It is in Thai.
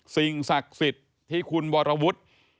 สิ่งศักดิ์สิทธิ์ที่คุณวรวุฒิ